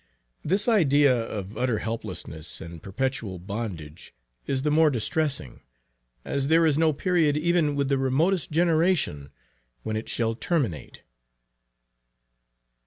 This idea of utter helplessness, in perpetual bondage, is the more distressing, as there is no period even with the remotest generation when it shall terminate.